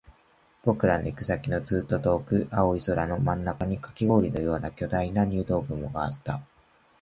僕らの行く先のずっと遠く、青い空の真ん中にカキ氷のような巨大な入道雲があった